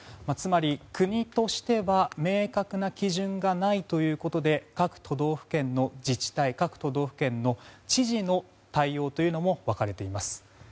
つまり、国としては明確な基準がないということで各都道府県の自治体各都道府県の知事の対応も分かれています。